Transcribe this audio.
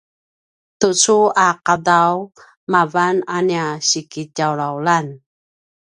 tucu a ’adav mavan a nia sikitjawlawlan